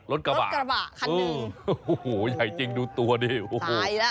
รถกระบะ๑คันโอ้โหใหญ่จริงดูตัวดิตายอีกแล้ว